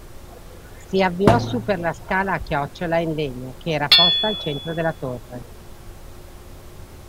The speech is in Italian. Si avviò su per la scala a chiocciola in legno che era posta al centro della torre.